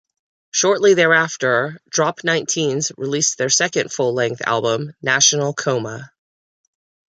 Shortly thereafter, Drop Nineteens released their second full-length album, "National Coma".